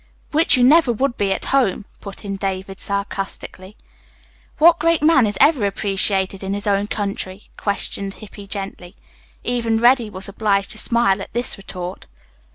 "Which you never would be at home," put in David sarcastically. "What great man is ever appreciated in his own country?" questioned Hippy gently. Even Reddy was obliged to smile at this retort.